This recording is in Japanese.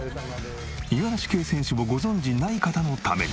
五十嵐圭選手をご存じない方のために。